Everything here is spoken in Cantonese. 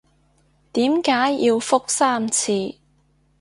點解要覆三次？